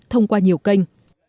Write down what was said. thông qua nhiều kênh